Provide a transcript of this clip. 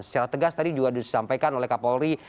secara tegas tadi juga disampaikan oleh kapolri